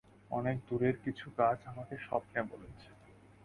অনেক দূরের কিছু গাছ আমাকে স্বপ্নে বলেছে।